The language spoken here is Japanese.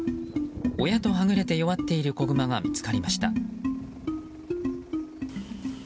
親とはぐれて弱っている子グマが見つかりました。